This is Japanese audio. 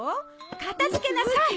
片付けなさい！